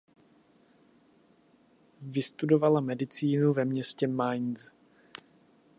Vystudovala medicínu ve městě Mainz.